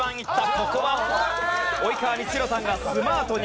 ここは及川光博さんがスマートに。